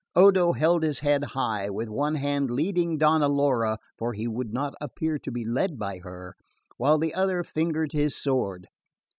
Odo held his head high, with one hand leading Donna Laura (for he would not appear to be led by her) while the other fingered his sword.